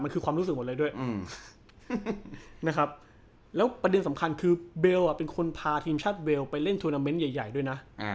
กูเคยเล่นทัวร์นามเม้นท์ใหญ่ด้วยนะ